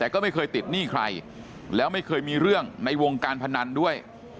แต่ก็ไม่เคยติดหนี้ใครแล้วไม่เคยมีเรื่องในวงการพนันด้วย